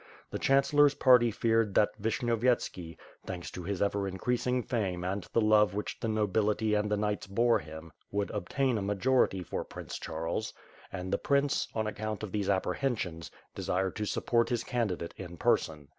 The chancellor's party feared that Vishnyovyetski, thanks to his ever increas ing fame and the love which the nobility and the knights bore him, would obtain a majority for Prince Charles; and 524 ^^^^^^^^^^'^ SWORD. the prince, on account of these apprehensions, desired to sup port his candidate in person.